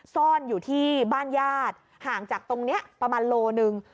ซ่อนอยู่ที่บ้านญาติห่างจากตรงนี้ประมาณโลหนึ่ง